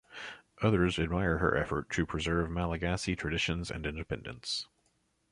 Others admire her effort to preserve Malagasy traditions and independence.